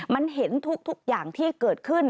มันเห็นทุกอย่างที่เกิดขึ้น